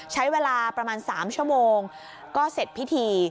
ใช้เวลาประมาณ๓ชั่วโมงก็เสร็จพิธี